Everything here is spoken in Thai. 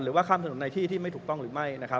หรือว่าข้ามสนุนในที่ที่ไม่ถูกต้องหรือไม่